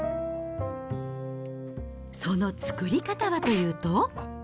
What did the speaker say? その作り方はというと。